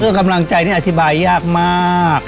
เรื่องกำลังใจนี่อธิบายยากมาก